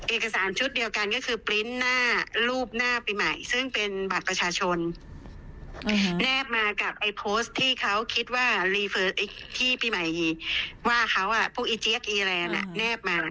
เอกสารชุดเดียวกันก็คือปริ้นต์หน้ารูปหน้าปีใหม่ซึ่งเป็นบัตรประชาชนแนบมากับไอ้โพสต์ที่เขาคิดว่ารีเฟอร์ที่ปีใหม่ว่าเขาพวกอีเจี๊กอีแลนด์แนบมา